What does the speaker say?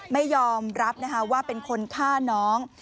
ไม่ยอมรับนะคะว่าเป็นคนฆ่าน้อง